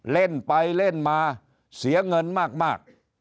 เล่นไปเล่นมาเสียเงินมาก